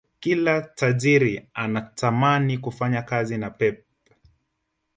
Kila tajiri anatamani kufanya kazi na poep